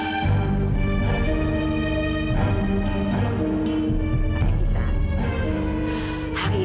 akan ketahuan semuanya